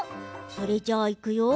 それじゃあ、いくよ！